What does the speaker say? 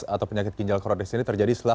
atau penyakit ginjal kronis ini terjadi setelah